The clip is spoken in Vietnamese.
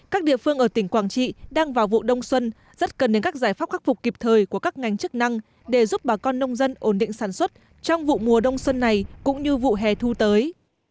các địa phương ở tỉnh quảng trị đang vào vụ đông xuân rất cần đến các giải pháp khắc phục kịp thời của các ngành chức năng để giúp bà con nông dân ổn định sản xuất trong vụ mùa đông xuân này cũng như vụ hè thu tới